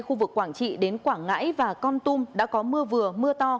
khu vực quảng trị đến quảng ngãi và con tum đã có mưa vừa mưa to